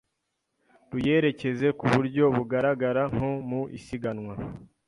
ruyerekeza ku buryo bugaragara nko mu isiganwa